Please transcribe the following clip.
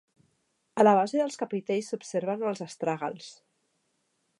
A la base dels capitells s'observen els astràgals.